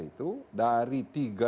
itu dari tiga seratus